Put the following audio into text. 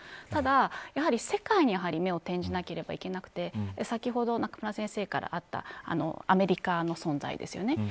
ただ、やはり世界に目を転じなければいけなくて先ほど、中村先生からあったアメリカの存在ですよね。